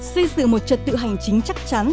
xây dựng một trật tự hành chính trị